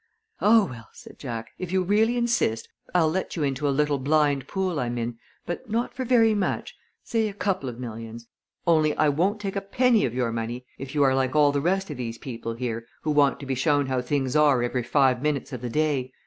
"Oh, well," said Jack, "if you really insist I'll let you into a little blind pool I'm in, but not for very much say a couple of millions. Only I won't take a penny of your money if you are like all the rest of these people here who want to be shown how things are every five minutes of the day.